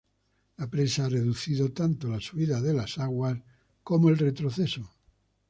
La presa ha reducido tanto la subida de las aguas como el retroceso.